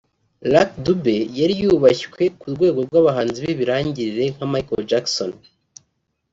Lucky Dube yari yubashywe ku rwego rw’abahanzi b’ibirangirire nka Michael Jackson